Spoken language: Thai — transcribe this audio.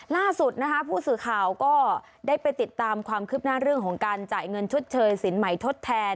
ล่าสุดนะคะผู้สื่อข่าวก็ได้ไปติดตามความคืบหน้าเรื่องของการจ่ายเงินชดเชยสินใหม่ทดแทน